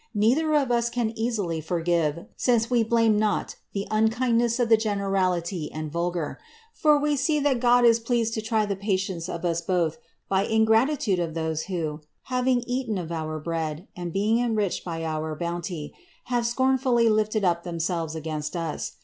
Neither of us but can easily forgive, since we blame not the unkindoesi of the generality and vulgar ; for we see that God is pleased to try the Efttience of us both, by ingratitude of those who, having eaten of oor read, and being enriched by our bounty, have scomfullylifted up them selves against us.